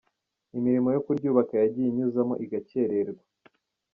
Imirimo yo kuryubaka yagiye inyuzamo igacyerererwa.